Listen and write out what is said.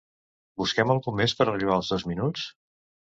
Busquem algú més per arribar als dos minuts?